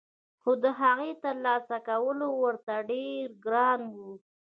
خو دهغې ترلاسه کول ورته ډېر ګران وو